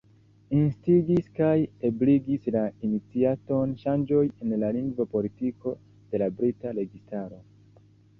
Instigis kaj ebligis la iniciaton ŝanĝoj en la lingvo-politiko de la brita registaro.